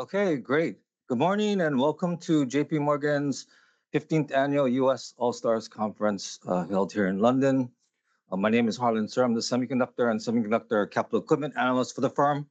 Okay, great. Good morning, and welcome to J.P. Morgan's fifteenth Annual U.S. All-Stars Conference, held here in London. My name is Harlan Sur, I'm the semiconductor and semiconductor capital equipment analyst for the firm.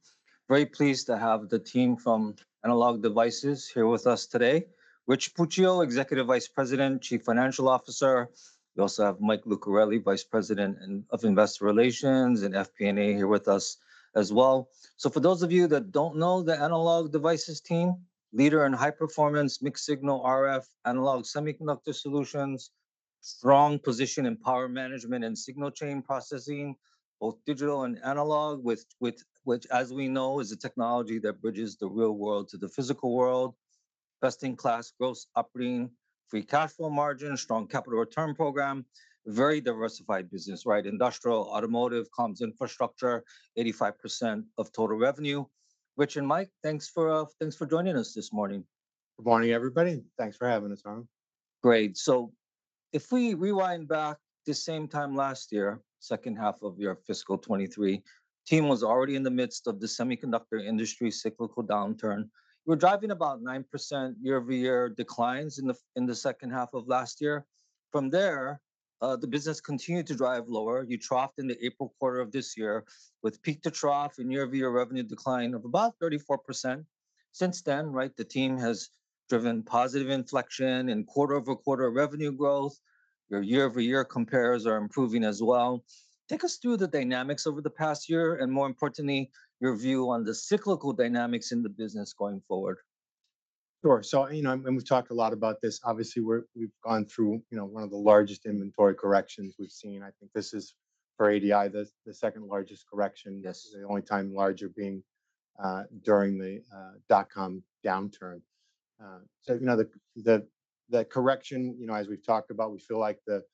Very pleased to have the team from Analog Devices here with us today. Rich Puccio, Executive Vice President and Chief Financial Officer. We also have Mike Lucarelli, Vice President of Investor Relations and FP&A here with us as well. So for those of you that don't know, the Analog Devices team, leader in high-performance mixed-signal RF analog semiconductor solutions, strong position in power management and signal chain processing, both digital and analog, with which, as we know, is a technology that bridges the real world to the physical world. Best-in-class gross operating free cash flow margin, strong capital return program, very diversified business, right? Industrial, automotive, comms, infrastructure, 85% of total revenue. Rich and Mike, thanks for joining us this morning. Good morning, everybody, and thanks for having us, Harlan. Great. So if we rewind back this same time last year, second half of your fiscal 2023, team was already in the midst of the semiconductor industry cyclical downturn. You were driving about 9% year-over-year declines in the second half of last year. From there, the business continued to drive lower. You troughed in the April quarter of this year, with peak to trough in year-over-year revenue decline of about 34%. Since then, right, the team has driven positive inflection and quarter-over-quarter revenue growth. Your year-over-year compares are improving as well. Take us through the dynamics over the past year and, more importantly, your view on the cyclical dynamics in the business going forward. Sure. So, you know, and we've talked a lot about this. Obviously, we've gone through, you know, one of the largest inventory corrections we've seen. I think this is, for ADI, the second-largest correction. Yes. The only time larger being during the dot-com downturn. So, you know, the correction, you know, as we've talked about, we feel like the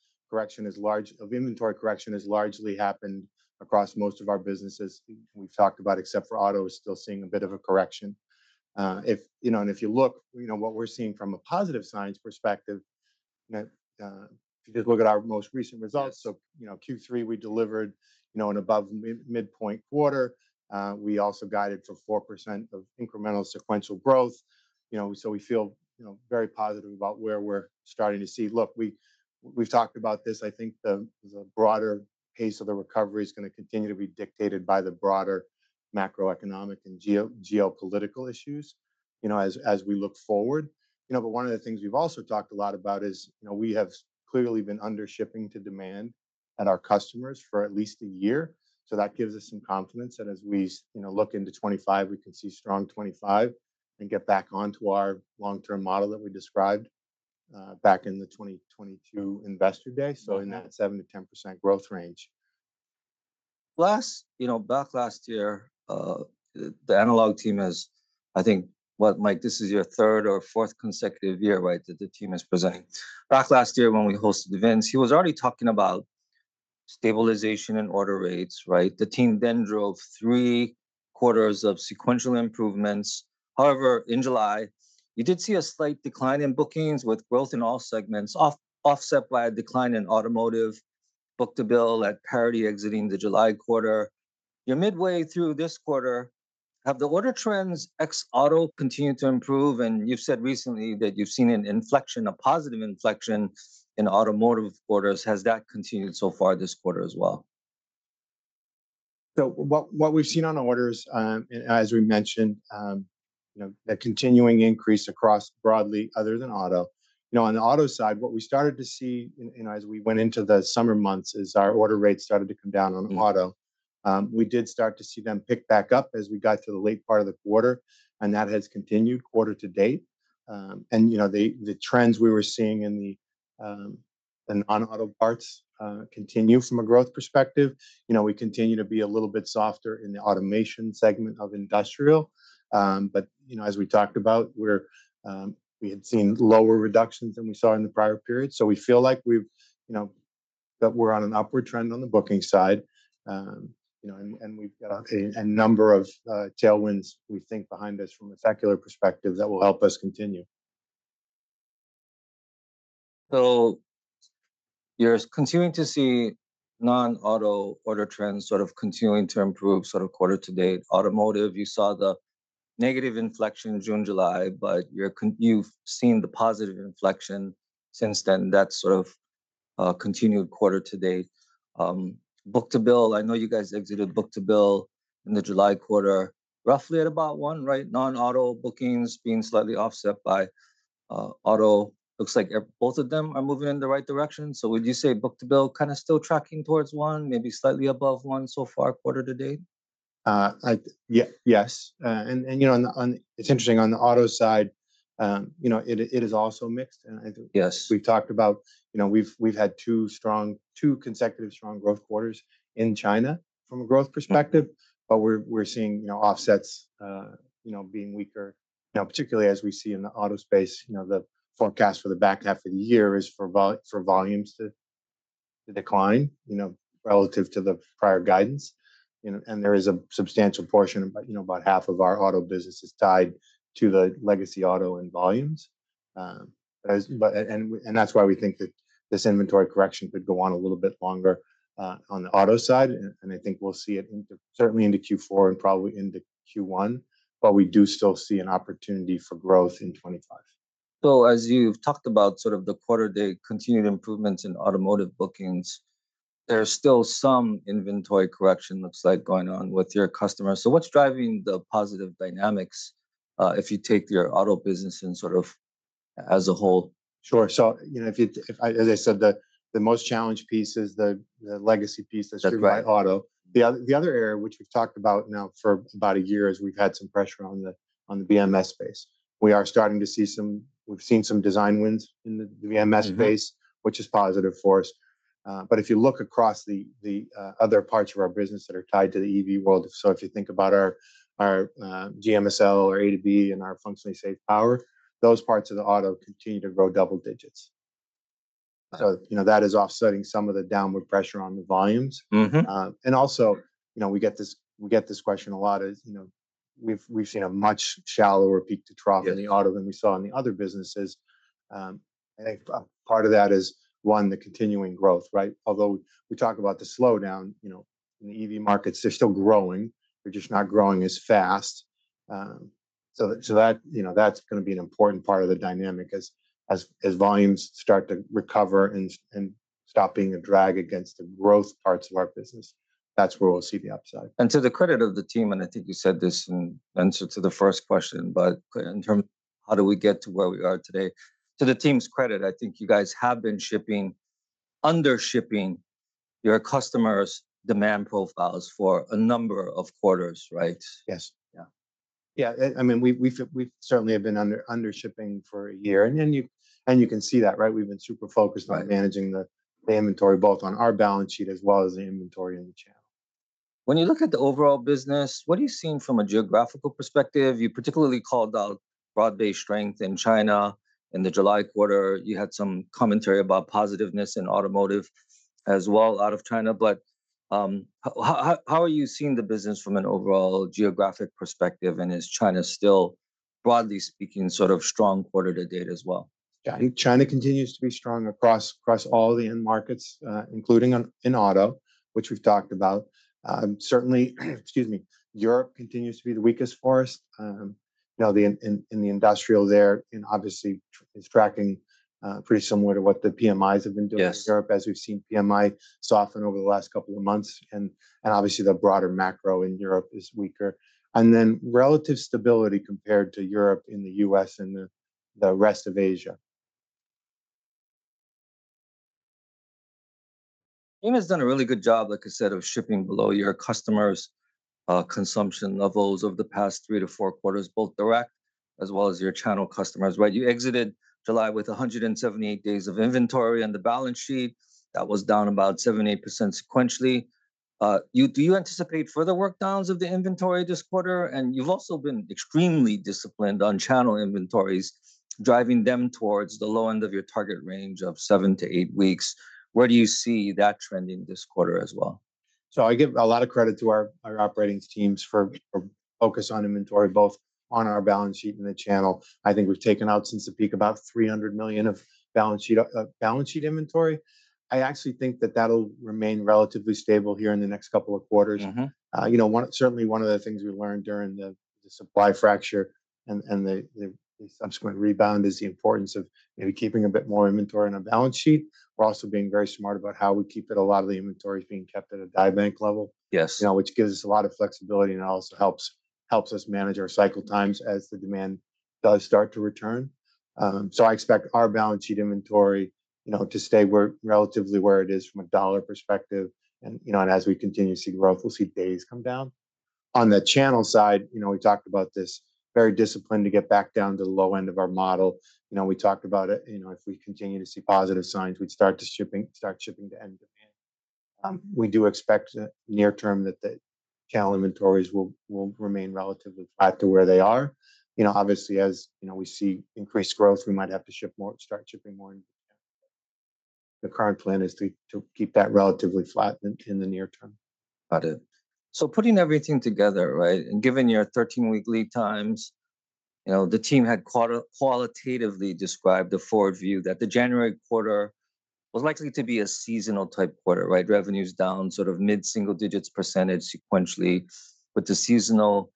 inventory correction has largely happened across most of our businesses. We've talked about, except for auto, is still seeing a bit of a correction. You know, and if you look, you know, what we're seeing from a positive signs perspective, if you just look at our most recent results, so, you know, Q3, we delivered, you know, an above midpoint quarter. We also guided for 4% incremental sequential growth. You know, so we feel, you know, very positive about where we're starting to see. Look, we've talked about this. I think the broader pace of the recovery is gonna continue to be dictated by the broader macroeconomic and geopolitical issues, you know, as we look forward. You know, but one of the things we've also talked a lot about is, you know, we have clearly been under shipping to demand at our customers for at least a year, so that gives us some confidence that as we, you know, look into 2025, we can see strong 2025 and get back onto our long-term model that we described back in the 2022 Investor Day, so in that 7-10% growth range. Last, you know, back last year, the Analog team has, I think, what, Mike, this is your third or fourth consecutive year, right, that the team has presented. Back last year when we hosted events, he was already talking about stabilization and order rates, right? The team then drove three quarters of sequential improvements. However, in July, you did see a slight decline in bookings, with growth in all segments offset by a decline in automotive, book-to-bill at parity exiting the July quarter. You're midway through this quarter, have the order trends ex auto continued to improve? And you've said recently that you've seen an inflection, a positive inflection in automotive orders. Has that continued so far this quarter as well? So, what we've seen on orders, as we mentioned, you know, a continuing increase across broadly other than auto. You know, on the auto side, what we started to see in, you know, as we went into the summer months, is our order rates started to come down on auto. We did start to see them pick back up as we got through the late part of the quarter, and that has continued quarter to date. And, you know, the trends we were seeing in the non-auto parts continue from a growth perspective. You know, we continue to be a little bit softer in the automation segment of industrial. But, you know, as we talked about, we're, we had seen lower reductions than we saw in the prior period. So we feel like we've, you know, that we're on an upward trend on the booking side. You know, we've got a number of tailwinds, we think, behind us from a secular perspective that will help us continue. So you're continuing to see non-auto order trends sort of continuing to improve sort of quarter to date. Automotive, you saw the negative inflection in June, July, but you've seen the positive inflection since then, that sort of continued quarter to date. Book-to-bill, I know you guys exited book-to-bill in the July quarter, roughly at about one, right? Non-auto bookings being slightly offset by auto. Looks like both of them are moving in the right direction. So would you say book-to-bill kind of still tracking towards one, maybe slightly above one so far, quarter to date? Yes. And, you know, on the... It's interesting, on the auto side, you know, it is also mixed, and I think- Yes... We've talked about, you know, we've had two consecutive strong growth quarters in China from a growth perspective. Yeah. But we're seeing, you know, offsets, you know, being weaker. Now, particularly as we see in the auto space, you know, the forecast for the back half of the year is for volumes to decline, you know, relative to the prior guidance. You know, and there is a substantial portion, about, you know, about half of our auto business is tied to the legacy auto and volumes, and that's why we think that this inventory correction could go on a little bit longer, on the auto side, and I think we'll see it, certainly into Q4 and probably into Q1, but we do still see an opportunity for growth in 2025. So as you've talked about sort of the quarter-to-date continued improvements in automotive bookings, there's still some inventory correction, looks like, going on with your customers. So what's driving the positive dynamics, if you take your auto business in sort of as a whole? Sure. So, you know, if I, as I said, the most challenged piece is the legacy piece that's- That's right... driven by auto. The other area which we've talked about now for about a year is we've had some pressure on the BMS space. We are starting to see some... We've seen some design wins in the BMS space. Mm-hmm... which is positive for us. But if you look across the other parts of our business that are tied to the EV world, so if you think about our GMSL, our A2B, and our functionally safe power, those parts of the auto continue to grow double digits. So, you know, that is offsetting some of the downward pressure on the volumes. Mm-hmm. And also, you know, we get this question a lot, you know, we've seen a much shallower peak to trough- Yes... in the auto than we saw in the other businesses. I think, part of that is, one, the continuing growth, right? Although we talk about the slowdown, you know, in the EV markets, they're still growing. They're just not growing as fast. So that, you know, that's gonna be an important part of the dynamic as volumes start to recover and stop being a drag against the growth parts of our business. That's where we'll see the upside. And to the credit of the team, and I think you said this in answer to the first question, but in terms of how do we get to where we are today, to the team's credit, I think you guys have been under-shipping your customers' demand profiles for a number of quarters, right? Yes. Yeah. I mean, we've certainly been under shipping for a year, and then you can see that, right? We've been super focused on- Right... managing the inventory, both on our balance sheet as well as the inventory in the channel. When you look at the overall business, what are you seeing from a geographical perspective? You particularly called out broad-based strength in China. In the July quarter, you had some commentary about positiveness in automotive as well, out of China. But, how are you seeing the business from an overall geographic perspective, and is China still, broadly speaking, sort of strong quarter to date as well? I think China continues to be strong across all the end markets, including in auto, which we've talked about. Certainly, excuse me, Europe continues to be the weakest for us. You know, in the industrial there, and obviously, it's tracking pretty similar to what the PMIs have been doing- Yes... in Europe, as we've seen PMI soften over the last couple of months, and obviously, the broader macro in Europe is weaker, and then relative stability compared to Europe in the U.S. and the rest of Asia. Ambarella has done a really good job, like I said, of shipping below your customers' consumption levels over the past three to four quarters, both direct as well as your channel customers, right? You exited July with 178 days of inventory on the balance sheet. That was down about 7%-8% sequentially. Do you anticipate further work downs of the inventory this quarter? And you've also been extremely disciplined on channel inventories, driving them towards the low end of your target range of seven to eight weeks. Where do you see that trending this quarter as well? I give a lot of credit to our operating teams for focus on inventory, both on our balance sheet and the channel. I think we've taken out, since the peak, about $300 million of balance sheet inventory. I actually think that that'll remain relatively stable here in the next couple of quarters. Mm-hmm. You know, one, certainly one of the things we learned during the supply fracture and the subsequent rebound is the importance of maybe keeping a bit more inventory on a balance sheet. We're also being very smart about how we keep it. A lot of the inventory is being kept at a die bank level. Yes... you know, which gives us a lot of flexibility and also helps us manage our cycle times as the demand does start to return. So I expect our balance sheet inventory, you know, to stay relatively where it is from a dollar perspective. And you know, as we continue to see growth, we'll see days come down. On the channel side, you know, we talked about this, very disciplined to get back down to the low end of our model. You know, we talked about it, you know, if we continue to see positive signs, we'd start shipping to end demand. We do expect near term that the channel inventories will remain relatively flat to where they are. You know, obviously, as you know, we see increased growth, we might have to ship more. The current plan is to keep that relatively flat in the near term. Got it. So putting everything together, right, and given your thirteen-week lead times, you know, the team had qualitatively described the forward view that the January quarter was likely to be a seasonal-type quarter, right? Revenues down sort of mid-single digits % sequentially, with the seasonal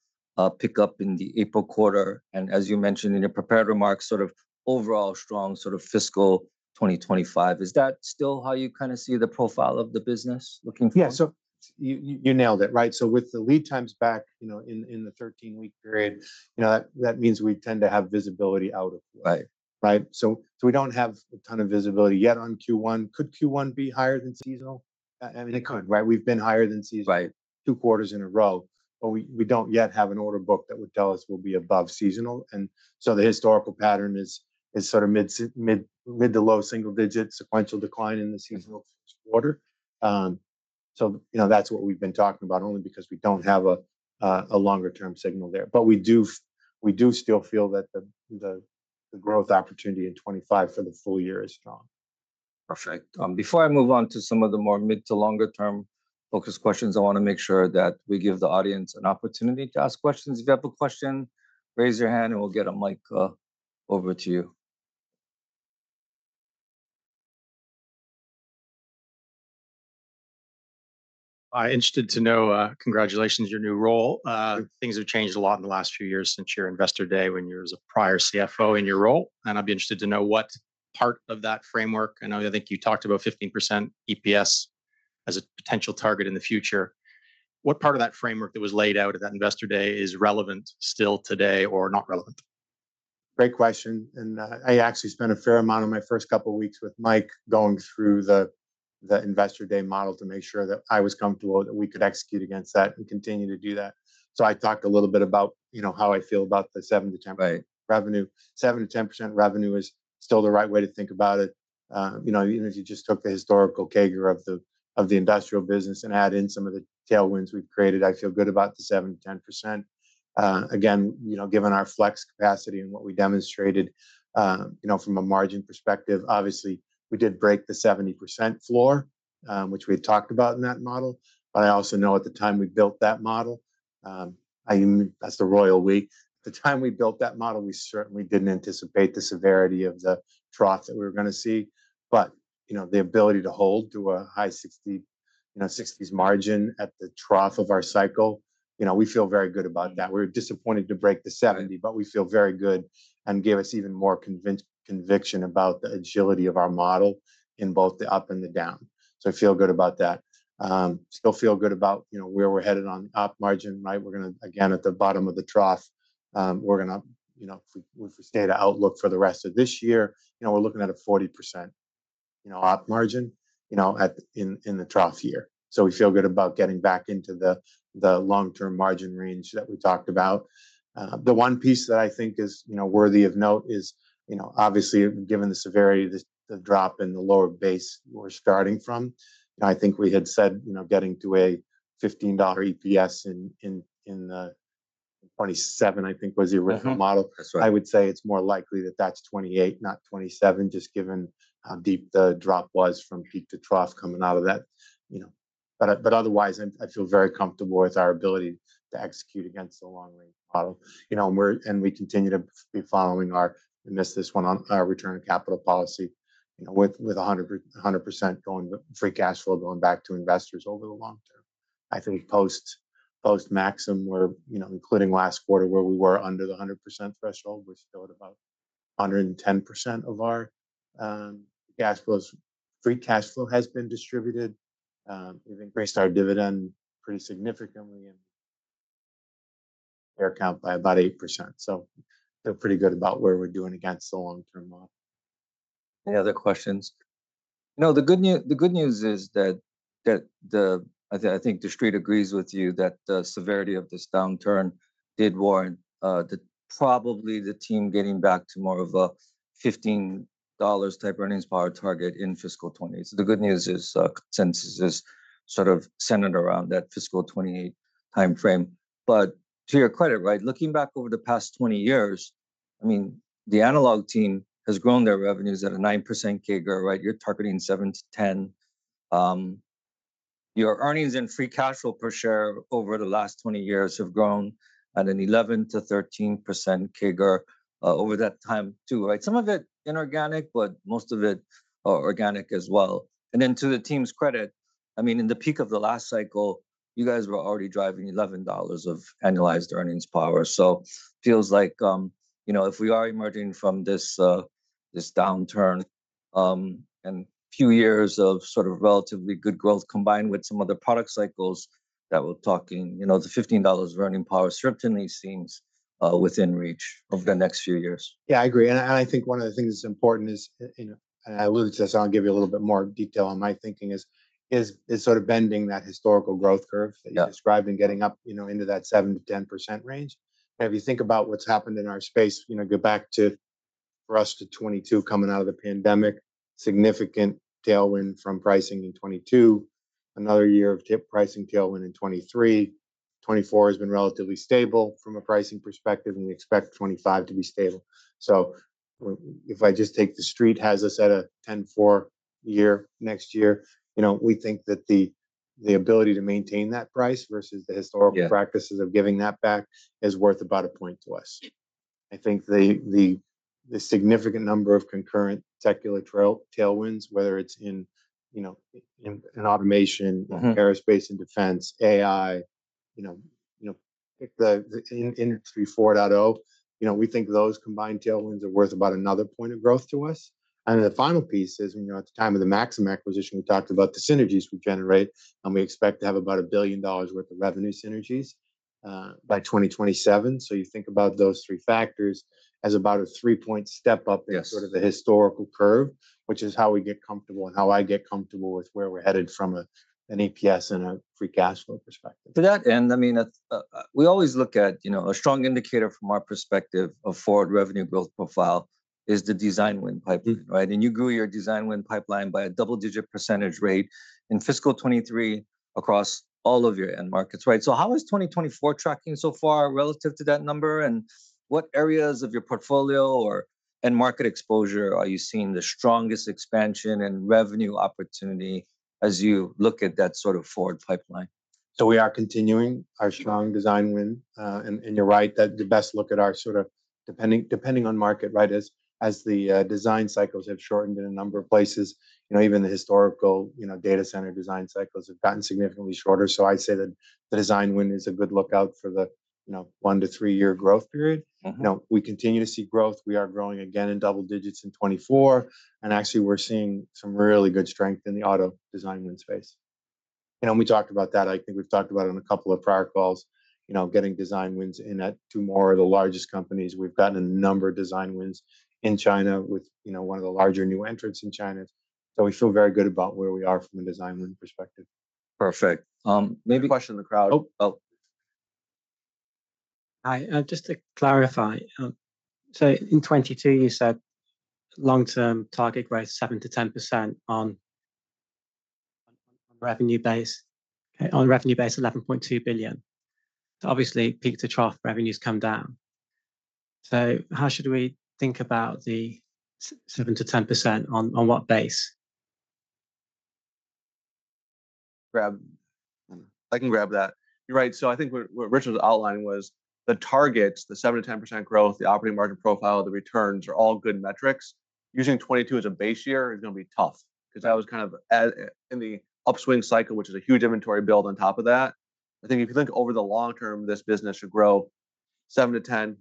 pickup in the April quarter, and as you mentioned in your prepared remarks, sort of overall strong sort of fiscal 2025. Is that still how you kind of see the profile of the business looking for? Yeah, so you nailed it, right? So with the lead times back, you know, in the thirteen-week period, you know, that means we tend to have visibility out of the way. Right. Right? So we don't have a ton of visibility yet on Q1. Could Q1 be higher than seasonal? I mean, it could, right? We've been higher than seasonal- Right... two quarters in a row, but we don't yet have an order book that would tell us we'll be above seasonal. And so the historical pattern is sort of mid to low single digits, sequential decline in the seasonal first quarter. So, you know, that's what we've been talking about, only because we don't have a longer-term signal there. But we do still feel that the growth opportunity in 2025 for the full year is strong.... Perfect. Before I move on to some of the more mid to longer term focused questions, I wanna make sure that we give the audience an opportunity to ask questions. If you have a question, raise your hand, and we'll get a mic over to you. I'm interested to know, congratulations, your new role. Things have changed a lot in the last few years since your Investor Day when you were as a prior CFO in your role, and I'd be interested to know what part of that framework, I know, I think you talked about 15% EPS as a potential target in the future. What part of that framework that was laid out at that Investor Day is relevant still today or not relevant? Great question, and I actually spent a fair amount of my first couple weeks with Mike going through the Investor Day model to make sure that I was comfortable that we could execute against that and continue to do that. So I talked a little bit about, you know, how I feel about the seven to ten- Right... revenue. 7%-10% revenue is still the right way to think about it. You know, even if you just took the historical CAGR of the industrial business and add in some of the tailwinds we've created, I feel good about the 7%-10%. Again, you know, given our flex capacity and what we demonstrated, you know, from a margin perspective, obviously, we did break the 70% floor, which we've talked about in that model. But I also know at the time we built that model, That's the Royal we. At the time we built that model, we certainly didn't anticipate the severity of the trough that we were gonna see, but, you know, the ability to hold to a high sixty, you know, sixties margin at the trough of our cycle, you know, we feel very good about that. We're disappointed to break the seventy, but we feel very good and gave us even more conviction about the agility of our model in both the up and the down. So I feel good about that. Still feel good about, you know, where we're headed on the op margin. Right? We're gonna, again, at the bottom of the trough, we're gonna, you know, if we stay the outlook for the rest of this year, you know, we're looking at a 40%, you know, op margin, you know, at, in the trough year. So we feel good about getting back into the long-term margin range that we talked about. The one piece that I think is, you know, worthy of note is, you know, obviously, given the severity of the drop in the lower base we're starting from, I think we had said, you know, getting to a $15 EPS in 2027, I think was the original-... model. That's right. I would say it's more likely that that's 2028, not 2027, just given how deep the drop was from peak to trough coming out of that, you know. But otherwise, I feel very comfortable with our ability to execute against the long-range model. You know, and we're and we continue to be following our, I missed this one, on our return of capital policy, you know, with 100% going, free cash flow going back to investors over the long term. I think post Maxim, we're, you know, including last quarter, where we were under the 100% threshold, we're still at about 110% of our cash flows. Free cash flow has been distributed. We've increased our dividend pretty significantly, and share count by about 8%, so feel pretty good about where we're doing against the long-term model. Any other questions? No, the good news is that the, I think, The Street agrees with you that the severity of this downturn did warrant probably the team getting back to more of a $15 type earnings power target in fiscal 2028. So the good news is consensus is sort of centered around that fiscal 2028 timeframe. But to your credit, right, looking back over the past 20 years, I mean, the analog team has grown their revenues at a 9% CAGR, right? You're targeting 7%-10%. Your earnings and free cash flow per share over the last 20 years have grown at an 11%-13% CAGR over that time, too, right? Some of it inorganic, but most of it organic as well. And then to the team's credit, I mean, in the peak of the last cycle, you guys were already driving $11 of annualized earnings power. So feels like, you know, if we are emerging from this, this downturn, and few years of sort of relatively good growth, combined with some other product cycles that we're talking, you know, the $15 running power certainly seems, within reach over the next few years. Yeah, I agree. And I think one of the things that's important is, you know, and I will just, I'll give you a little bit more detail on my thinking is sort of bending that historical growth curve- Yeah... that you described and getting up, you know, into that 7-10% range. And if you think about what's happened in our space, you know, go back to, for us, to 2022, coming out of the pandemic, significant tailwind from pricing in 2022, another year of tip pricing tailwind in 2023. 2024 has been relatively stable from a pricing perspective, and we expect 2025 to be stable. So if I just take The Street has us at a 10.4x next year, you know, we think that the ability to maintain that price versus the historical- Yeah... practices of giving that back is worth about a point to us. I think the significant number of concurrent secular tailwinds, whether it's in, you know, automation-... aerospace and defense, AI, you know, you know, the Industry 4.0, you know, we think those combined tailwinds are worth about another point of growth to us. And then the final piece is, you know, at the time of the Maxim acquisition, we talked about the synergies we generate, and we expect to have about $1 billion worth of revenue synergies by 2027. So you think about those three factors as about a three-point step up- Yes... in sort of the historical curve, which is how we get comfortable and how I get comfortable with where we're headed from an EPS and a free cash flow perspective. To that end, I mean, at, we always look at, you know, a strong indicator from our perspective of forward revenue growth profile is the design win pipeline. Right? And you grew your design win pipeline by a double-digit percentage rate in fiscal 2023 across all of your end markets, right? So how is 2024 tracking so far relative to that number, and what areas of your portfolio or, end market exposure are you seeing the strongest expansion and revenue opportunity as you look at that sort of forward pipeline?... So we are continuing our strong design win. And you're right, that the best look at our sort of depending on market, right? As the design cycles have shortened in a number of places, you know, even the historical, you know, data center design cycles have gotten significantly shorter. So I'd say that the design win is a good lookout for the, you know, one to three-year growth period. You know, we continue to see growth. We are growing again in double digits in 2024, and actually we're seeing some really good strength in the auto design win space. You know, and we talked about that. I think we've talked about it in a couple of prior calls, you know, getting design wins in at two more of the largest companies. We've gotten a number of design wins in China with, you know, one of the larger new entrants in China. So we feel very good about where we are from a design win perspective. Perfect. Maybe a question in the crowd- Oh! Oh. Hi, just to clarify, so in 2022, you said long-term target growth, 7%-10% on, on revenue base. Okay, on revenue base, $11.2 billion. Obviously, peak to trough revenues come down. So how should we think about the 7%-10% on, on what base? Grab... I can grab that. You're right. So I think what Rich was outlining was the targets, the 7%-10% growth, the operating margin profile, the returns are all good metrics. Using 2022 as a base year is gonna be tough, 'cause that was kind of a in the upswing cycle, which is a huge inventory build on top of that. I think if you think over the long term, this business should grow 7-10,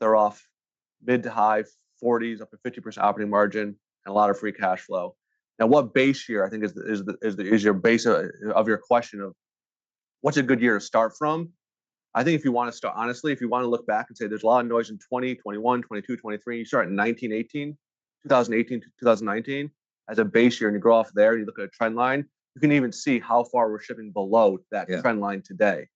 they're off mid- to high 40s, up to 50% operating margin and a lot of free cash flow. Now, what base year I think is the, is your base of your question of what's a good year to start from? I think if you want to start... Honestly, if you want to look back and say there's a lot of noise in 2020, 2021, 2022, 2023, you start in 2018 to 2019 as a base year, and you grow off from there, and you look at a trend line. You can even see how far we're shipping below that- Yeah... trend line today,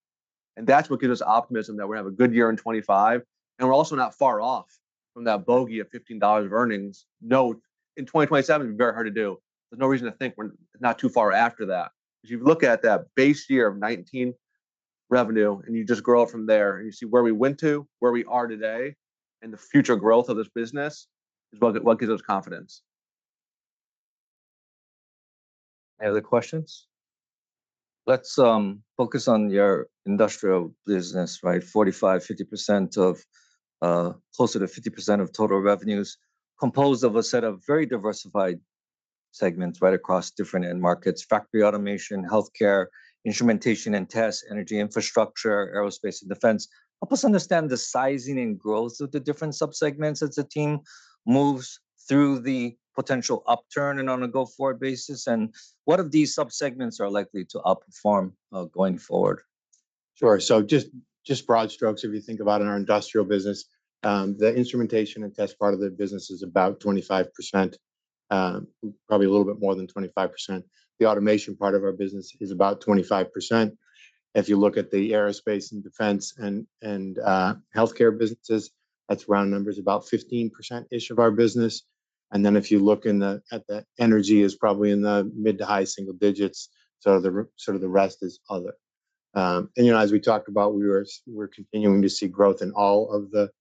and that's what gives us optimism that we're going to have a good year in 2025, and we're also not far off from that bogey of $15 of earnings. Note, in 2027, be very hard to do. There's no reason to think we're not too far after that. If you look at that base year of 2019 revenue and you just grow it from there, and you see where we went to, where we are today, and the future growth of this business, is what, what gives us confidence. Any other questions? Let's focus on your industrial business, right? 45%-50% of closer to 50% of total revenues, composed of a set of very diversified segments right across different end markets: factory automation, healthcare, instrumentation and tests, energy infrastructure, aerospace and defense. Help us understand the sizing and growth of the different subsegments as the team moves through the potential upturn and on a go-forward basis, and what of these subsegments are likely to outperform going forward? Sure. So just broad strokes, if you think about in our industrial business, the instrumentation and test part of the business is about 25%, probably a little bit more than 25%. The automation part of our business is about 25%. If you look at the aerospace and defense and healthcare businesses, that's round numbers, about 15%-ish of our business. And then if you look at the energy is probably in the mid to high single digits, so sort of the rest is other. And, you know, as we talked about, we're continuing to see growth in all of the-...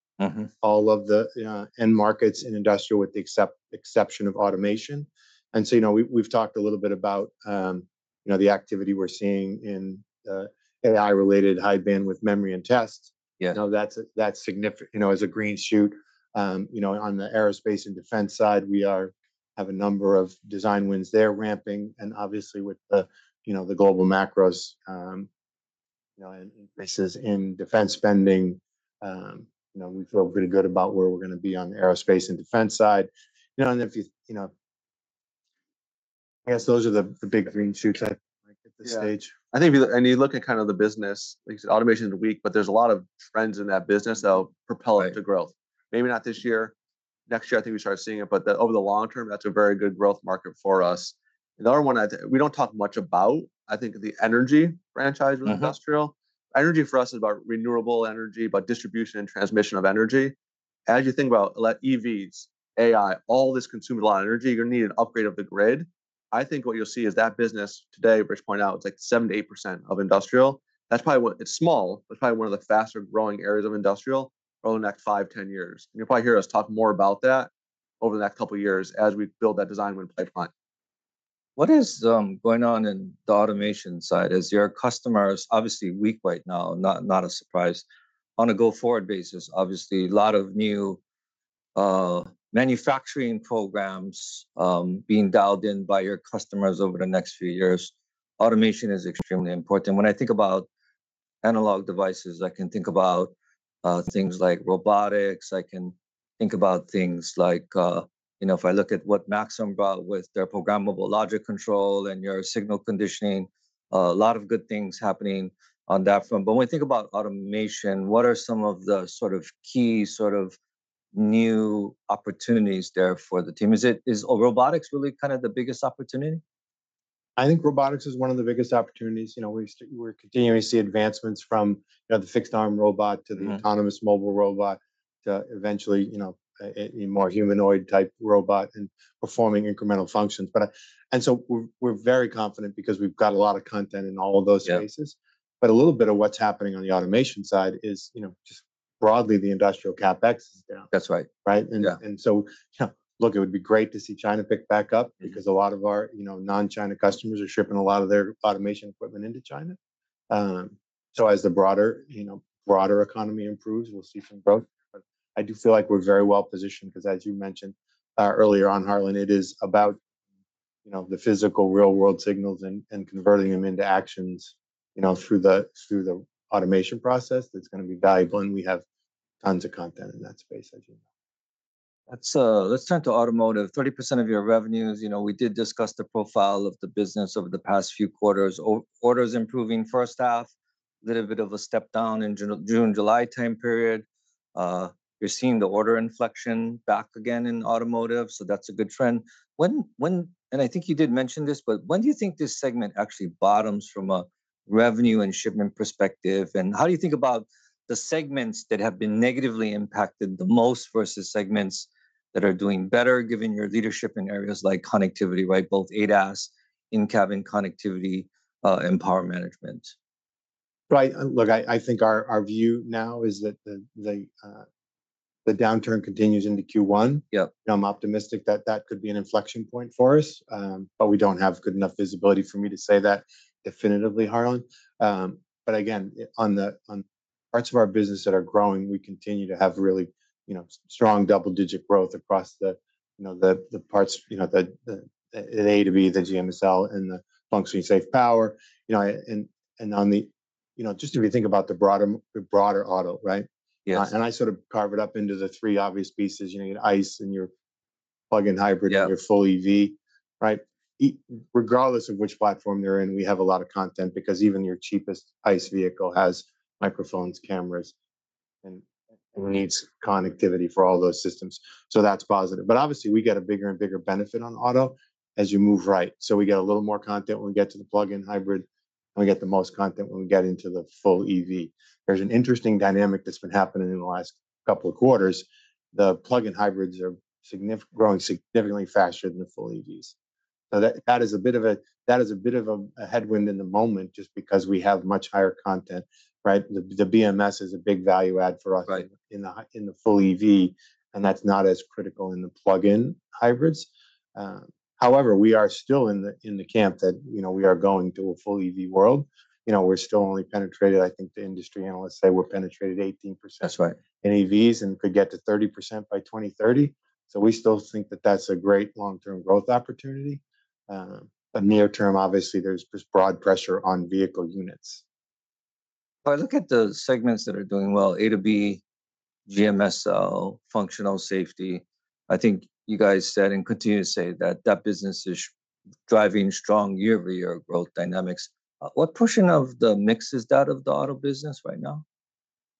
all of the end markets in industrial, with the exception of automation. And so, you know, we, we've talked a little bit about, you know, the activity we're seeing in AI-related high bandwidth memory and tests. Yeah. You know, that's, that's significant, you know, as a green shoot. You know, on the aerospace and defense side, we have a number of design wins there ramping, and obviously with the, you know, the global macros, you know, increases in defense spending, you know, we feel pretty good about where we're gonna be on the aerospace and defense side. You know, and if you, you know... I guess those are the, the big green shoots I like at this stage. Yeah. I think if you, and you look at kind of the business, like you said, automation is weak, but there's a lot of trends in that business that will propel it- Right... to growth. Maybe not this year. Next year, I think we start seeing it, but over the long term, that's a very good growth market for us. The other one we don't talk much about, I think the energy franchise with industrial. Energy for us is about renewable energy, about distribution and transmission of energy. As you think about, like, EVs, AI, all this consume a lot of energy, you're gonna need an upgrade of the grid. I think what you'll see is that business today, which points out is like 7%-8% of industrial, that's probably what... It's small, but probably one of the faster growing areas of industrial over the next five, 10 years. You'll probably hear us talk more about that over the next couple of years as we build that design win pipeline. What is going on in the automation side? As your customers, obviously weak right now, not a surprise. On a go-forward basis, obviously, a lot of new manufacturing programs being dialed in by your customers over the next few years, automation is extremely important. When I think about Analog Devices, I can think about things like robotics, I can think about things like you know, if I look at what Maxim brought with their programmable logic control and your signal conditioning, a lot of good things happening on that front. But when we think about automation, what are some of the sort of key, sort of new opportunities there for the team? Is it robotics really kind of the biggest opportunity? I think robotics is one of the biggest opportunities. You know, we're continuing to see advancements from, you know, the fixed arm robot to the-... autonomous mobile robot to eventually, you know, a more humanoid-type robot and performing incremental functions. But and so we're very confident because we've got a lot of content in all of those spaces. Yeah. But a little bit of what's happening on the automation side is, you know, broadly, the industrial CapEx? That's right. Right? Yeah. Look, it would be great to see China pick back up- Because a lot of our, you know, non-China customers are shipping a lot of their automation equipment into China. So as the broader, you know, broader economy improves, we'll see some growth. But I do feel like we're very well positioned, 'cause as you mentioned, earlier on, Harlan, it is about, you know, the physical, real-world signals and converting them into actions, you know, through the automation process that's gonna be valuable, and we have tons of content in that space, as you know. That's... Let's turn to automotive. 30% of your revenues, you know, we did discuss the profile of the business over the past few quarters. Orders improving first half, little bit of a step down in June, June/July time period. You're seeing the order inflection back again in automotive, so that's a good trend. When, and I think you did mention this, but when do you think this segment actually bottoms from a revenue and shipment perspective? And how do you think about the segments that have been negatively impacted the most versus segments that are doing better, given your leadership in areas like connectivity, right? Both ADAS, in-cabin connectivity, and power management. Right. Look, I think our view now is that the downturn continues into Q1. Yep. Now, I'm optimistic that that could be an inflection point for us, but we don't have good enough visibility for me to say that definitively, Harlan. But again, on parts of our business that are growing, we continue to have really strong double-digit growth across the parts, the A2B, the GMSL, and the functionally safe power. You know, and on the... You know, just if you think about the broader auto, right? Yes. And I sort of carve it up into the three obvious pieces. You know, your ICE, and your plug-in hybrid- Yeah... your full EV, right? Regardless of which platform they're in, we have a lot of content, because even your cheapest ICE vehicle has microphones, cameras, and needs connectivity for all those systems, so that's positive. But obviously, we get a bigger and bigger benefit on auto as you move, right? So we get a little more content when we get to the plug-in hybrid, and we get the most content when we get into the full EV. There's an interesting dynamic that's been happening in the last couple of quarters. The plug-in hybrids are growing significantly faster than the full EVs. So that is a bit of a headwind in the moment just because we have much higher content, right? The BMS is a big value add for us- Right... in the full EV, and that's not as critical in the plug-in hybrids. However, we are still in the camp that, you know, we are going to a full EV world. You know, we're still only penetrated, I think, the industry analysts say we're penetrated 18%- That's right... in EVs, and could get to 30% by 2030. So we still think that that's a great long-term growth opportunity. But near term, obviously, there's broad pressure on vehicle units. If I look at the segments that are doing well, A2B, GMSL, functional safety, I think you guys said and continue to say that that business is driving strong year-over-year growth dynamics. What portion of the mix is that of the auto business right now?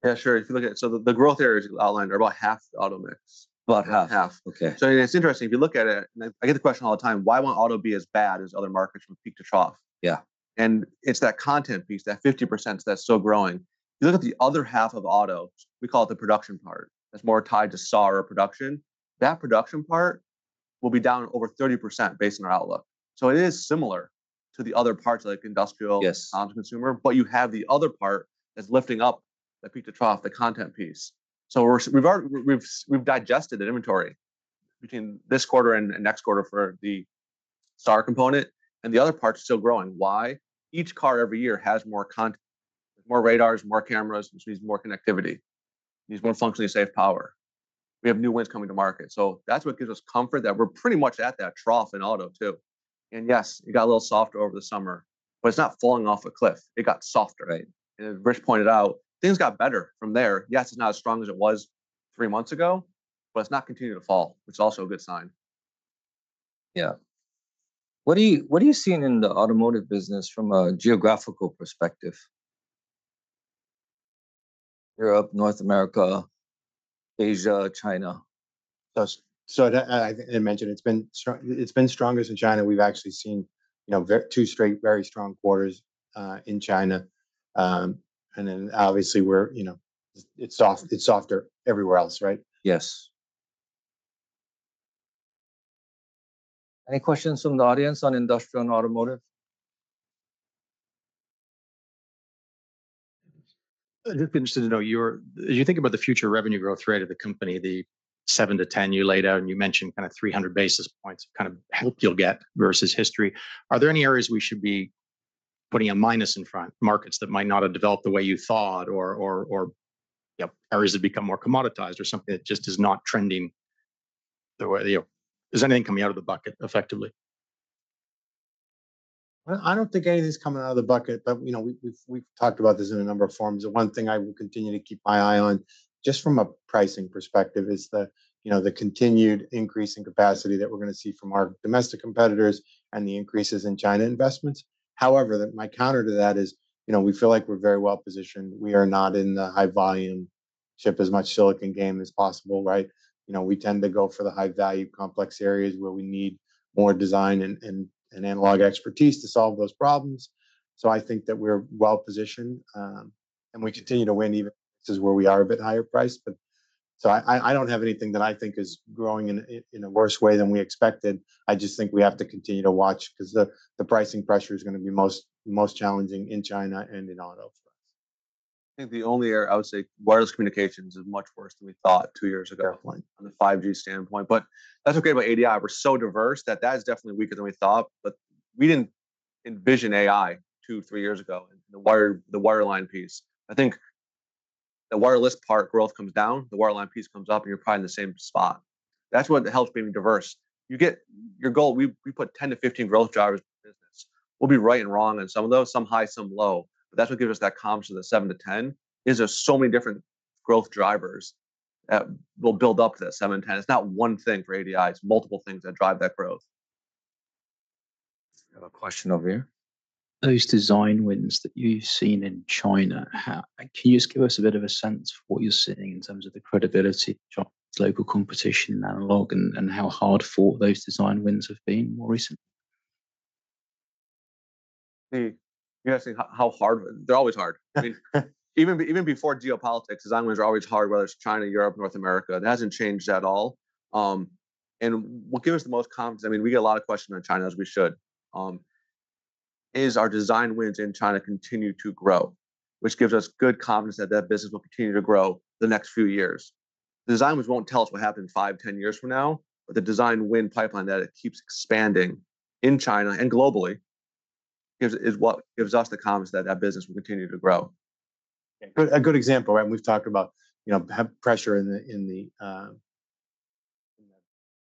Yeah, sure. If you look at it, so the growth areas outlined are about half the auto mix. About half. Half. Okay. It's interesting, if you look at it, and I get the question all the time: "Why won't auto be as bad as other markets from peak to trough? Yeah. And it's that content piece, that 50% that's still growing. If you look at the other half of auto, we call it the production part, that's more tied to SAAR or production, that production part will be down over 30% based on our outlook. So it is similar to the other parts like industrial- Yes... non-consumer, but you have the other part that's lifting up the peak to trough, the content piece. So we've already digested the inventory between this quarter and next quarter for the SAAR component, and the other part's still growing. Why? Each car every year has more content, more radars, more cameras, which means more connectivity, means more functionally safe power. We have new wins coming to market. So that's what gives us comfort that we're pretty much at that trough in auto, too. And yes, it got a little softer over the summer, but it's not falling off a cliff. It got softer. Right. As Rich pointed out, things got better from there. Yes, it's not as strong as it was three months ago, but it's not continuing to fall, which is also a good sign. Yeah. What are you, what are you seeing in the automotive business from a geographical perspective? Europe, North America, Asia, China. I think I mentioned it's been strongest in China. We've actually seen, you know, two straight very strong quarters in China, and then obviously we're, you know, it's soft, it's softer everywhere else, right? Yes. Any questions from the audience on industrial and automotive? I'd just be interested to know your... As you think about the future revenue growth rate of the company, the 7-10 you laid out, and you mentioned kind of 300 basis points, kind of, help you'll get versus history, are there any areas we should be putting a minus in front, markets that might not have developed the way you thought or, you know, areas that become more commoditized or something that just is not trending the way, you know? Is anything coming out of the bucket effectively? I don't think anything's coming out of the bucket, but, you know, we've talked about this in a number of forums, and one thing I will continue to keep my eye on, just from a pricing perspective, is the, you know, the continued increase in capacity that we're gonna see from our domestic competitors and the increases in China investments. However, my counter to that is, you know, we feel like we're very well positioned. We are not in the high-volume, ship as much silicon game as possible, right? You know, we tend to go for the high-value, complex areas where we need more design and analog expertise to solve those problems. So I think that we're well-positioned, and we continue to win even this is where we are a bit higher priced, but... So I don't have anything that I think is growing in a worse way than we expected. I just think we have to continue to watch, 'cause the pricing pressure is gonna be most challenging in China and in auto for us. I think the only area I would say wireless communications is much worse than we thought two years ago- Yeah... on the 5G standpoint, but that's okay. With ADI, we're so diverse that that is definitely weaker than we thought, but we didn't envision AI two, three years ago, and the wire, the wireline piece. I think the wireless part growth comes down, the wireline piece comes up, and you're probably in the same spot. That's what helps being diverse. You get your goal. We put 10-15 growth drivers in the business. We'll be right and wrong in some of those, some high, some low, but that's what gives us that confidence in the seven to 10, is there's so many different growth drivers that will build up to that seven, ten. It's not one thing for ADI, it's multiple things that drive that growth. We have a question over here. Those design wins that you've seen in China. Can you just give us a bit of a sense for what you're seeing in terms of the credibility of local competition, analog, and how hard-fought those design wins have been more recently? You're asking how hard? They're always hard. I mean, even before geopolitics, design wins are always hard, whether it's China, Europe, North America. That hasn't changed at all, and what gives us the most confidence, I mean, we get a lot of questions on China, as we should, is our design wins in China continue to grow, which gives us good confidence that that business will continue to grow the next few years. The design wins won't tell us what happens five, ten years from now, but the design win pipeline, that it keeps expanding in China and globally, gives... is what gives us the confidence that that business will continue to grow. Good, a good example, right, and we've talked about, you know, have pressure in the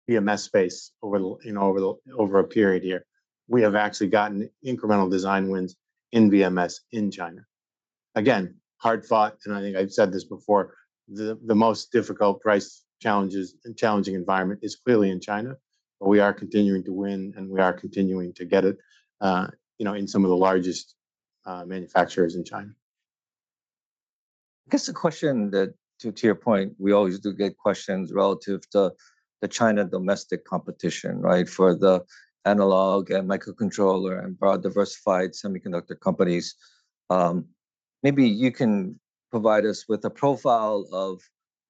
BMS space over the, you know, over a period here. We have actually gotten incremental design wins in BMS in China. Again, hard-fought, and I think I've said this before, the most difficult price challenges and challenging environment is clearly in China, but we are continuing to win, and we are continuing to get it, you know, in some of the largest manufacturers in China. I guess the question that, to, to your point, we always do get questions relative to the China domestic competition, right? For the Analog and microcontroller and broad diversified semiconductor companies. Maybe you can provide us with a profile of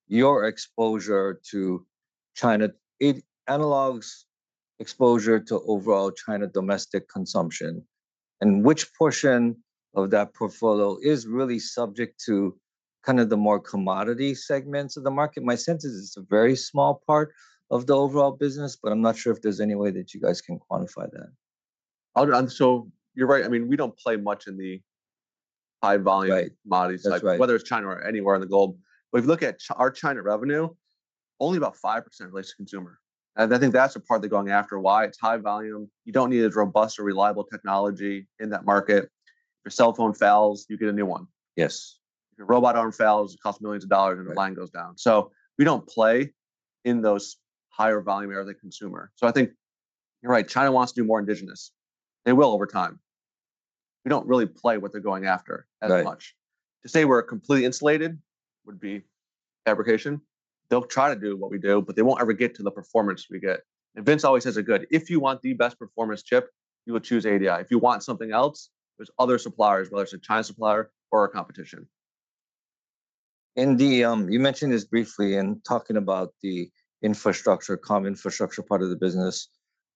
your exposure to China, Analog's exposure to overall China domestic consumption, and which portion of that portfolio is really subject to kind of the more commodity segments of the market. My sense is it's a very small part of the overall business, but I'm not sure if there's any way that you guys can quantify that. So you're right. I mean, we don't play much in the high volume- Right... commodity cycle- That's right... whether it's China or anywhere in the globe. But if you look at our China revenue, only about 5% relates to consumer, and I think that's the part they're going after. Why? It's high volume. You don't need as robust or reliable technology in that market. If your cell phone fails, you get a new one. Yes. If your robot arm fails, it costs millions of dollars, and the line goes down. Right. So, we don't play in those higher volume area of the consumer. So, I think you're right. China wants to do more indigenous. They will over time. We don't really play what they're going after as much. Right. To say we're completely insulated would be fabrication. They'll try to do what we do, but they won't ever get to the performance we get. And Vince always says it good, "If you want the best performance chip, you will choose ADI. If you want something else, there's other suppliers, whether it's a China supplier or our competition. You mentioned this briefly in talking about the infrastructure, comm infrastructure part of the business,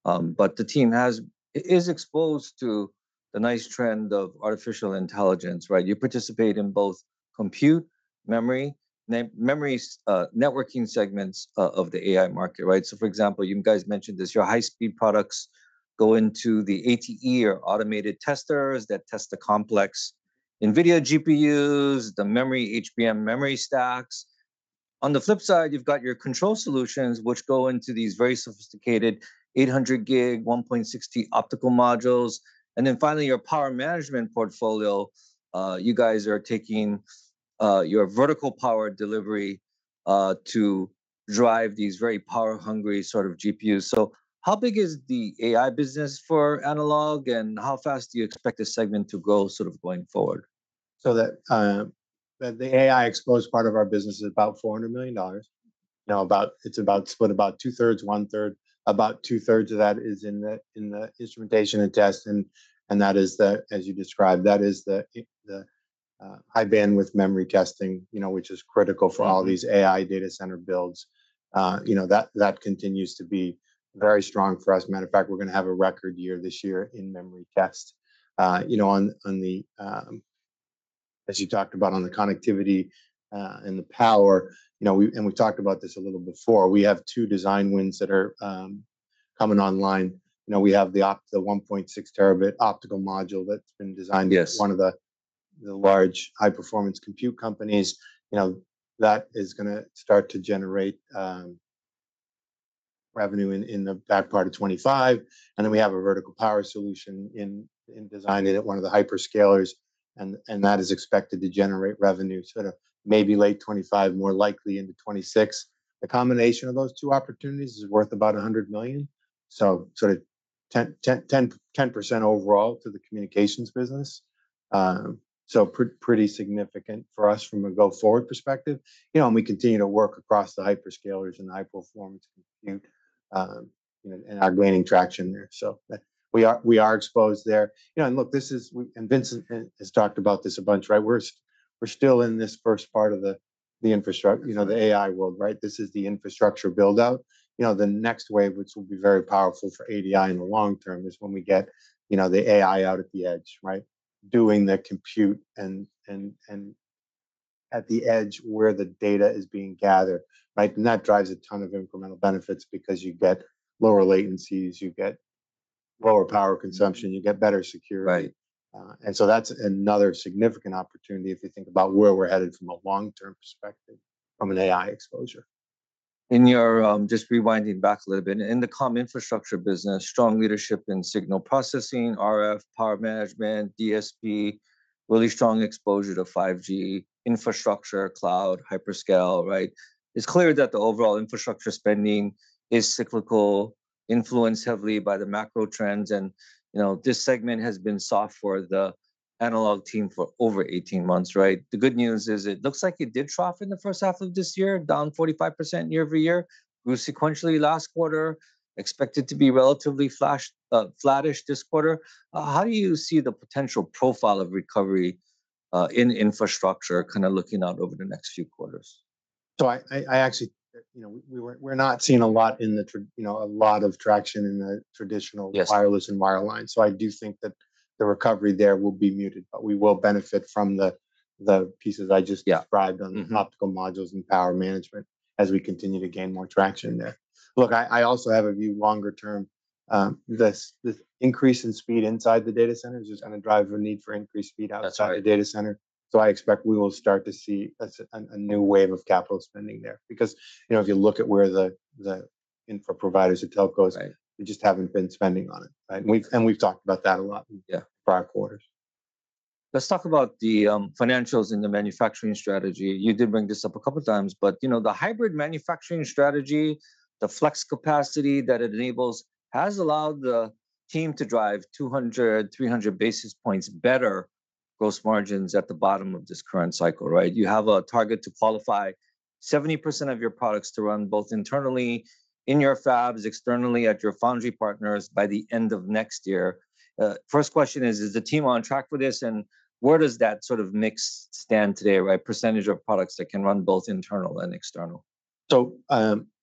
but the team is exposed to the nice trend of artificial intelligence, right? You participate in both compute, memory, networking segments of the AI market, right? So for example, you guys mentioned this, your high-speed products go into the ATE, or automated testers, that test the complex NVIDIA GPUs, the HBM memory stacks. On the flip side, you've got your control solutions, which go into these very sophisticated 800 gig, 1.6T optical modules, and then finally, your power management portfolio, you guys are taking your vertical power delivery to drive these very power-hungry sort of GPUs. So how big is the AI business for Analog, and how fast do you expect this segment to grow sort of going forward? So that the AI-exposed part of our business is about $400 million. Now, it's about split two-thirds, one-third. Two-thirds of that is in the instrumentation and test, and that is the, as you described, that is the high-bandwidth memory testing, you know, which is critical for all-... these AI data center builds. You know, that continues to be very strong for us. Matter of fact, we're gonna have a record year this year in memory test. You know, on the connectivity and the power, you know, we and we talked about this a little before, we have two design wins that are coming online. You know, we have the 1.6 Tb optical module that's been designed- Yes... one of the large high-performance compute companies. You know, that is gonna start to generate revenue in the back part of 2025, and then we have a vertical power solution in designing it at one of the hyperscalers, and that is expected to generate revenue sort of maybe late 2025, more likely into 2026. The combination of those two opportunities is worth about $100 million, so sort of 10% overall to the communications business. So pretty significant for us from a go-forward perspective, you know, and we continue to work across the hyperscalers and the high performance compute, you know, and are gaining traction there. So we are exposed there. You know, and look, and Vincent has talked about this a bunch, right? We're still in this first part of the infrastructure, you know, the AI world, right? This is the infrastructure build-out. You know, the next wave, which will be very powerful for ADI in the long term, is when we get, you know, the AI out at the edge, right? Doing the compute and at the edge where the data is being gathered, right? And that drives a ton of incremental benefits because you get lower latencies, you get lower power consumption, you get better security. Right. And so that's another significant opportunity if you think about where we're headed from a long-term perspective, from an AI exposure. Just rewinding back a little bit, in the comm infrastructure business, strong leadership in signal processing, RF, power management, DSP, really strong exposure to 5G infrastructure, cloud, hyperscale, right? It's clear that the overall infrastructure spending is cyclical, influenced heavily by the macro trends, and, you know, this segment has been soft for the analog team for over 18 months, right? The good news is it looks like it did trough in the first half of this year, down 45% year-over-year, grew sequentially last quarter, expected to be relatively flattish this quarter. How do you see the potential profile of recovery in infrastructure, kind of looking out over the next few quarters? So I actually, you know, we're not seeing a lot of traction in the traditional- Yes... wireless and wireline. So I do think that the recovery there will be muted, but we will benefit from the pieces I just- Yeah... described-... on optical modules and power management as we continue to gain more traction there. Look, I also have a view longer term, this increase in speed inside the data centers is gonna drive a need for increased speed outside- That's right... the data center. So I expect we will start to see a new wave of capital spending there. Because, you know, if you look at where the infra providers or telcos- Right... they just haven't been spending on it, right? And we've talked about that a lot in- Yeah... prior quarters. Let's talk about the financials in the manufacturing strategy. You did bring this up a couple of times, but, you know, the hybrid manufacturing strategy, the flex capacity that it enables, has allowed the team to drive 200-300 basis points better gross margins at the bottom of this current cycle, right? You have a target to qualify 70% of your products to run both internally in your fabs, externally at your foundry partners by the end of next year. First question is, is the team on track for this? And where does that sort of mix stand today, right? Percentage of products that can run both internal and external.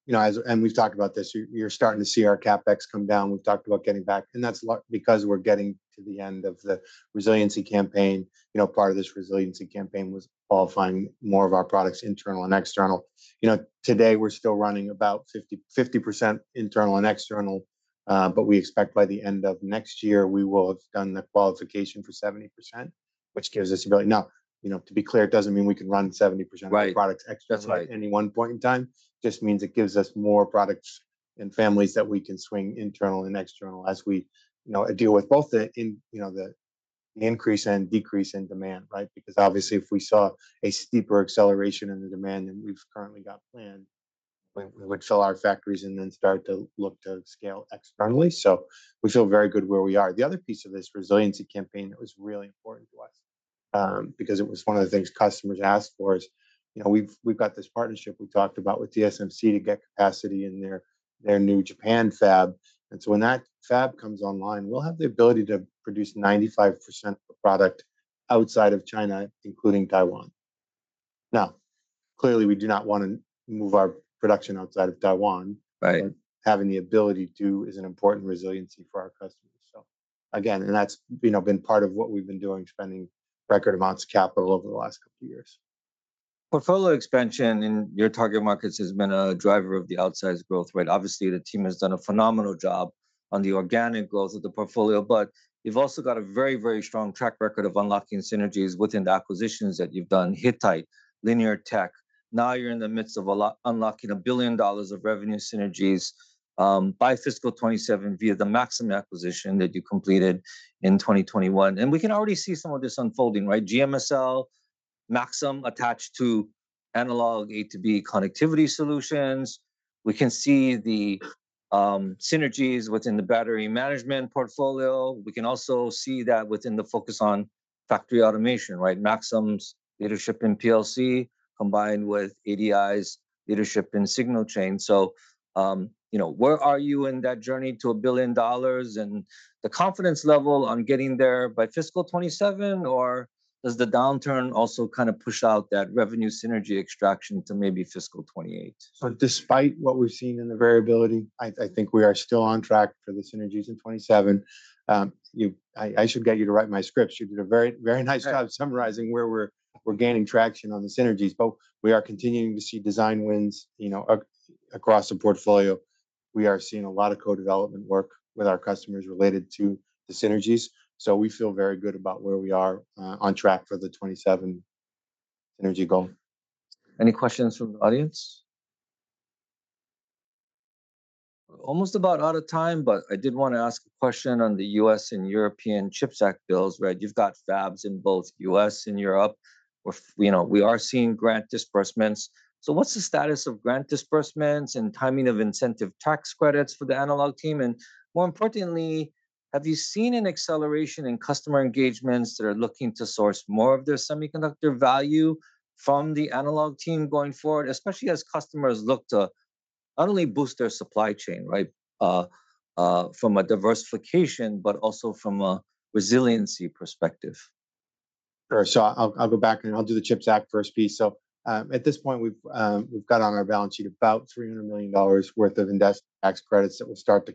You know, we've talked about this. You're starting to see our CapEx come down. We've talked about getting back, and that's because we're getting to the end of the resiliency campaign. You know, part of this resiliency campaign was qualifying more of our products, internal and external. You know, today we're still running about 50% internal and external, but we expect by the end of next year, we will have done the qualification for 70%, which gives us the ability. Now, you know, to be clear, it doesn't mean we can run 70%. Right... of our products externally- That's right... at any one point in time, it just means it gives us more products and families that we can swing internal and external, as we, you know, deal with both you know, the increase and decrease in demand, right? Because obviously, if we saw a steeper acceleration in the demand than we've currently got planned, we, we would fill our factories and then start to look to scale externally. So we feel very good where we are. The other piece of this resiliency campaign that was really important to us, because it was one of the things customers asked for, is, you know, we've, we've got this partnership we talked about with TSMC to get capacity in their, their new Japan fab. And so when that fab comes online, we'll have the ability to produce 95% of the product outside of China, including Taiwan. Now, clearly, we do not want to move our production outside of Taiwan- Right... but having the ability to is an important resiliency for our customers. So again, and that's, you know, been part of what we've been doing, spending record amounts of capital over the last couple of years. Portfolio expansion in your target markets has been a driver of the outsized growth rate. Obviously, the team has done a phenomenal job on the organic growth of the portfolio, but you've also got a very, very strong track record of unlocking synergies within the acquisitions that you've done, Hittite, Linear Tech. Now you're in the midst of unlocking $1 billion of revenue synergies by fiscal 2027 via the Maxim acquisition that you completed in 2021. And we can already see some of this unfolding, right? GMSL, Maxim attached to Analog A2B connectivity solutions. We can see the synergies within the battery management portfolio. We can also see that within the focus on factory automation, right? Maxim's leadership in PLC, combined with ADI's leadership in signal chain. You know, where are you in that journey to $1 billion, and the confidence level on getting there by fiscal 2027, or does the downturn also kind of push out that revenue synergy extraction to maybe fiscal 2028? So despite what we've seen in the variability, I think we are still on track for the synergies in 2027. I should get you to write my scripts. You did a very, very nice job- Right... summarizing where we're gaining traction on the synergies, but we are continuing to see design wins, you know, across the portfolio. We are seeing a lot of co-development work with our customers related to the synergies, so we feel very good about where we are, on track for the 2027 synergy goal. Any questions from the audience? Almost about out of time, but I did want to ask a question on the U.S. and European CHIPS Act bills, right? You've got fabs in both U.S. and Europe, or you know, we are seeing grant disbursements. So what's the status of grant disbursements and timing of incentive tax credits for the Analog team? And more importantly, have you seen an acceleration in customer engagements that are looking to source more of their semiconductor value from the Analog team going forward, especially as customers look to not only boost their supply chain, right, from a diversification, but also from a resiliency perspective? Sure. So I'll go back and I'll do the CHIPS Act first piece. So, at this point, we've got on our balance sheet about $300 million worth of investment tax credits that will start to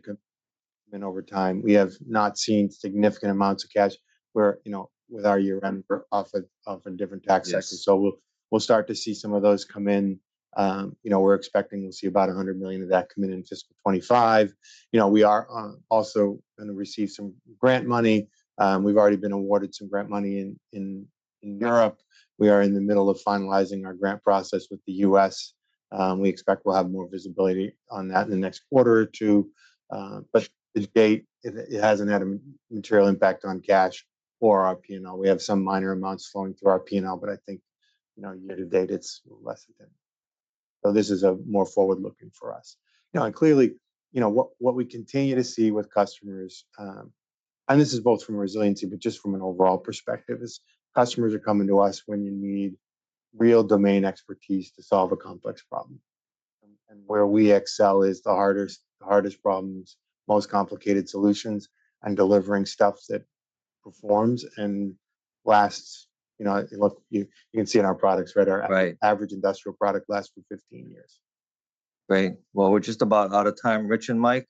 come in over time. We have not seen significant amounts of cash where, you know, with our year-end off of in different tax sectors. Yes. So we'll start to see some of those come in. You know, we're expecting we'll see about $100 million of that come in in fiscal 2025. You know, we are also gonna receive some grant money. We've already been awarded some grant money in Europe. We are in the middle of finalizing our grant process with the U.S.. We expect we'll have more visibility on that in the next quarter or two. But to date, it hasn't had a material impact on cash or our P&L. We have some minor amounts flowing through our P&L, but I think, you know, year to date, it's less than that. So this is a more forward looking for us. You know, and clearly, you know, what we continue to see with customers, and this is both from a resiliency, but just from an overall perspective, is customers are coming to us when you need real domain expertise to solve a complex problem. And where we excel is the hardest problems, most complicated solutions, and delivering stuff that performs and lasts. You know, look, you can see in our products, right? Right. Our average industrial product lasts for 15 years. Great. Well, we're just about out of time. Rich and Mike,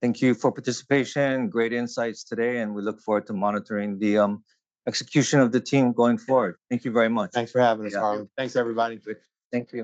thank you for participation, great insights today, and we look forward to monitoring the execution of the team going forward. Thank you very much. Thanks for having us, Karl. Yeah. Thanks, everybody. Thank you.